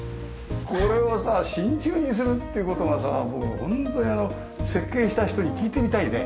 これをさ真鍮にするっていう事はさもうホントに設計した人に聞いてみたいね。